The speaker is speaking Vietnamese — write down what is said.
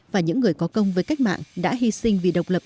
và những người có công với cách mạng đã hy sinh vì độc lập